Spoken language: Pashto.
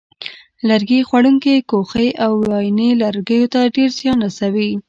لرګي خوړونکې کوخۍ او وایینې لرګیو ته ډېر زیان رسوي.